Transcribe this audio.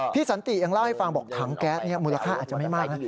สันติยังเล่าให้ฟังบอกถังแก๊สนี้มูลค่าอาจจะไม่มากนะ